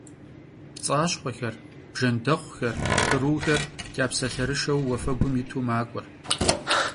Pts'aşxhuexer, bjjendexhuxer, khruxer ç'apselherışşeu vuafegum yitu mak'ue.